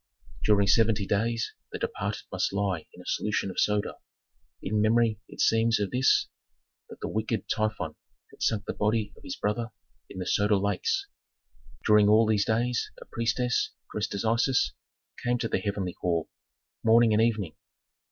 During seventy days the departed must lie in a solution of soda, in memory, it seems, of this, that the wicked Typhon had sunk the body of his brother in the Soda Lakes. During all these days a priestess, dressed as Isis, came to the heavenly hall, morning and evening.